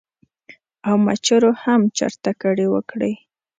او مچرو هم چرته کډې وکړې ـ